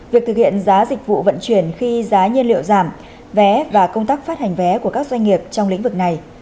việc thực hiện giá dịch vụ vận chuyển khi giá nhiên liệu giảm vé và công tác phát hành vé của các doanh nghiệp trong lĩnh vực này